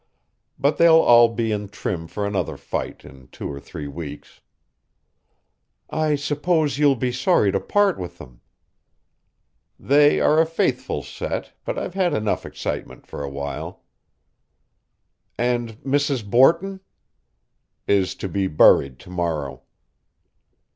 But they'll all be in trim for another fight in two or three weeks." "I suppose you'll be sorry to part with them." "They are a faithful set, but I've had enough excitement for a while." "And Mrs. Borton?" "Is to be buried to morrow."